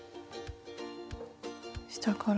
下から。